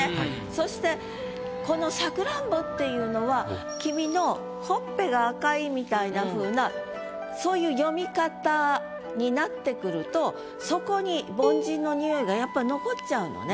そしてこの「さくらんぼ」っていうのは君のほっぺが赤いみたいなふうなそういう読み方になってくるとそこに凡人のにおいがやっぱ残っちゃうのね。